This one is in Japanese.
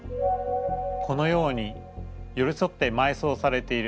このようによりそってまいそうされている。